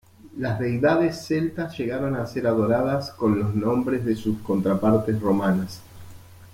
Las deidades celtas llegaron a ser adoradas con los nombres de sus contrapartes romanas.